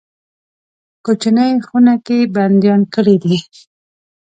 کوچنۍ خونه کې بندیان کړي دي.